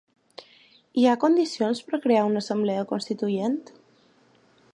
Hi ha condicions per a crear una assemblea constituent?